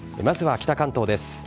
まずは北関東です。